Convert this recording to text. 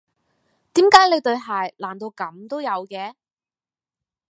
點解你對鞋爛到噉都有嘅？